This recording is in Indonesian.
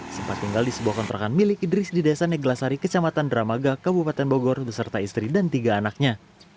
sempat tinggal di sebuah kontrakan milik idris di desa neglasari kecamatan dramaga kabupaten bogor beserta istri dan tiga anaknya